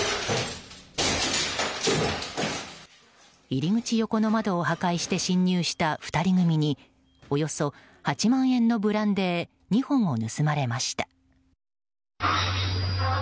入り口横の窓を破壊して侵入した２人組におよそ８万円のブランデー２本を盗まれました。